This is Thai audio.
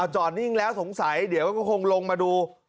จอดนิ่งแล้วสงสัยเดี๋ยวก็คงลงมาดู